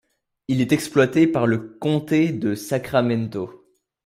Il est exploité par le comté de Sacramento.